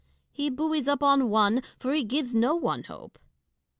He buoys up on one : for he gives no one hope.